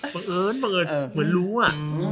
ปังเอิญเหมือนรู้อะ